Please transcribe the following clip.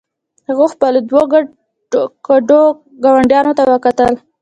هغې خپلو دوو ګډوډو ګاونډیانو ته وکتل